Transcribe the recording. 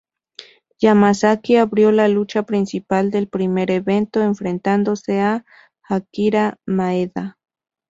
Yamazaki abrió la lucha principal del primer evento, enfrentándose a Akira Maeda.